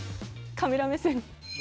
カメラ目線。